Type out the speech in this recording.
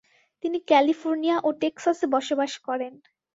তিনি ক্যালিফোর্নিয়া ও টেক্সাসে বসবাস করেন।